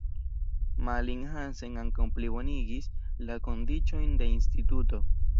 Malling-Hansen ankaŭ plibonigis la kondiĉojn de Instituto.